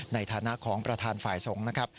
ในฐานะของประธานฝ่ายสงฆ์นะครับ